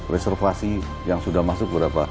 reservasi yang sudah masuk berapa